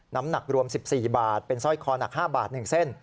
น้ำหนักรวม๑๔บาทเป็นสร้อยคอหนัก๕บาท๑เส้น